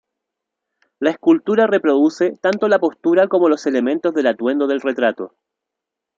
La escultura reproduce tanto la postura como los elementos del atuendo del retrato.